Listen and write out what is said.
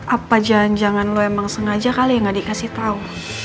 apa jangan jangan lu emang sengaja kali yang ga dikasih tau